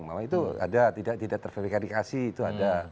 bahwa itu ada tidak terverifikasi itu ada